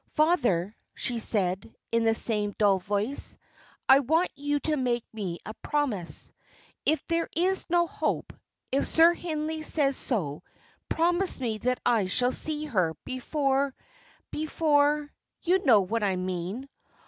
"Father," she said, in the same dull voice, "I want you to make me a promise. If there is no hope, if Sir Hindley says so, promise me that I shall see her before before you know what I mean."